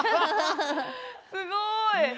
すごい。